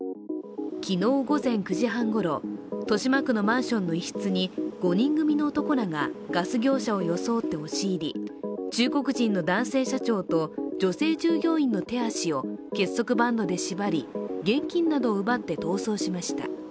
昨日午前９時半ごろ、豊島区のマンションの一室に５人組の男らがガス業者を装って押し入り中国人の男性社長と女性従業員の手足を結束バンドで縛り、現金などを奪って逃走しました。